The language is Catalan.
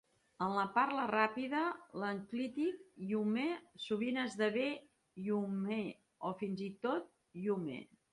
En la parla ràpida, l'enclític -hyume sovint esdevé -yuhme o fins i tot -yume.